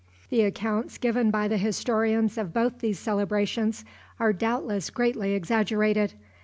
The accounts given by the historians of both these celebrations are doubtless greatly exaggerated.